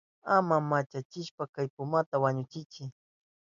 Ama manchashpa kay pumata wañuchiychi.